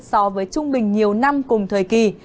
so với trung bình nhiều năm cùng thời kỳ